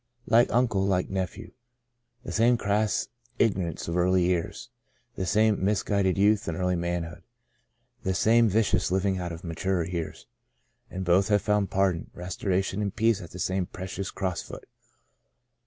'' Like uncle, like nephew. The same crass ignorance of early years ; the same mis guided youth and early manhood ; the same vicious living out of maturer years. And both have found pardon, restoration and peace at the same precious Cross foot.